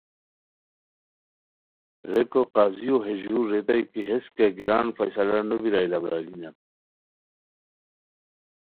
ریکو قاضیو ہے ژور ریتائے کی ہیس کیہ گیران فیصلہ نو بیرائے لا برارگینیان